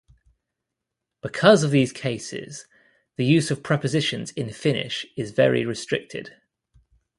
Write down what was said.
Because of these cases, the use of prepositions in Finnish is very restricted.